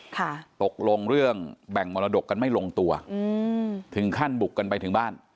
ตกลงเรื่องแบ่งมรดกกันไม่ลงตัวอืมถึงขั้นบุกกันไปถึงบ้าน